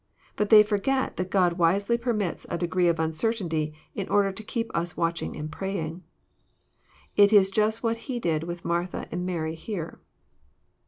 But they forget that God wisely permits a degree of uncertainty in order to keep us watching and praying. It is Just what He did with Martha and Mary here.